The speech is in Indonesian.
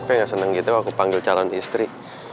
kok kamu gak seneng gitu aku panggil calon istri